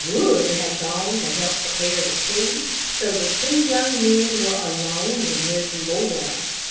Wood had gone to help prepare the tea, so the two young men were alone with Miss Laura.